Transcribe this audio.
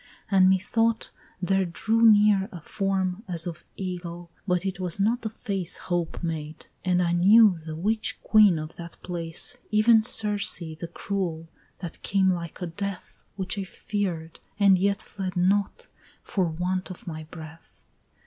and methought there drew near A form as of Ægle, but it was not the face Hope made, and I knew the witch Queen of that place, Even Circe the Cruel, that came like a Death, Which I fear'd, and yet fled not, for want of my breath.